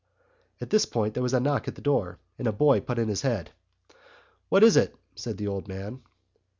'" At this point there was a knock at the door, and a boy put in his head. "What is it?" said the old man.